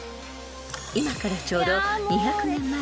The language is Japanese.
［今からちょうど２００年前のこの日］